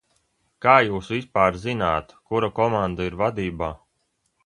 Kā jūs vispār zināt, kura komanda ir vadībā?